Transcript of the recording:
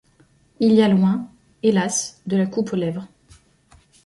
Il y a loin, hélas, de la coupe aux lèvres.